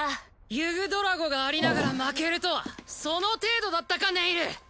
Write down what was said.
ユグドラゴがありながら負けるとはその程度だったかネイル！